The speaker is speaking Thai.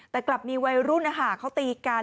แต่กลับมีวัยรุ่นเขาตีกัน